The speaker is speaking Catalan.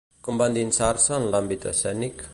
Com va endinsar-se en l'àmbit escènic?